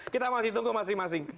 kita masih tunggu masing masing